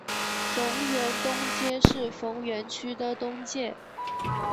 逢源东街是逢源区的东界。